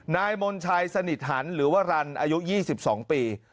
นายมณชัยสนิทฒันธรรมหรือว่ารันอายุ๒๒ปี